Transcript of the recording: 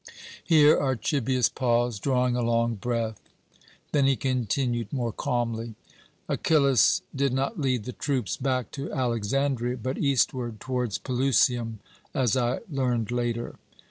Here Archibius paused, drawing a long breath. Then he continued more calmly: "Achillas did not lead the troops back to Alexandria, but eastward, towards Pelusium, as I learned later.